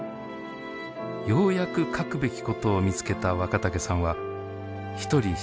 ようやく書くべきことを見つけた若竹さんは一人執筆に没頭しました。